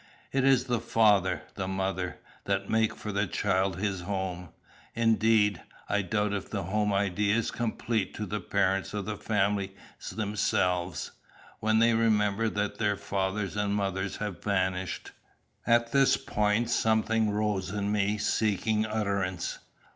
It is the father, the mother, that make for the child his home. Indeed, I doubt if the home idea is complete to the parents of a family themselves, when they remember that their fathers and mothers have vanished. At this point something rose in me seeking utterance.